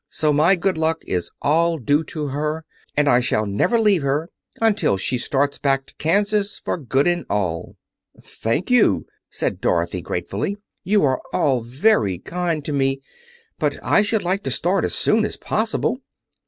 So my good luck is all due to her, and I shall never leave her until she starts back to Kansas for good and all." "Thank you," said Dorothy gratefully. "You are all very kind to me. But I should like to start as soon as possible."